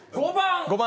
５番。